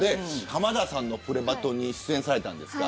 浜田さんのプレバト！！に出演されたんですか。